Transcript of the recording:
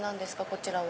こちらは。